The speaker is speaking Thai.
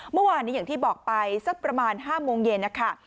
เมื่อวานนี้อย่างที่บอกไปสักประมาณ๕โมงเย็นนะคะ